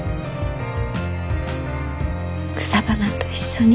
草花と一緒に。